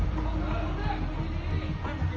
สวัสดีครับ